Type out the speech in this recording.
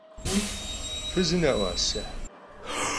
Fızene'uase?